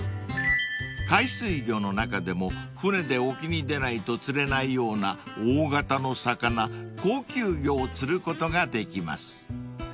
［海水魚の中でも船で沖に出ないと釣れないような大型の魚高級魚を釣ることができます］